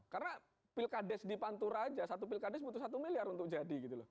karena pilkades di pantur aja satu pilkades butuh satu miliar untuk jadi gitu loh